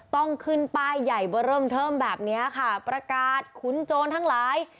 ต้องขึ้นป้ายใหญ่เบอร์เริ่มเทิมแบบเนี้ยค่ะประกาศขุนโจรทั้งหลาย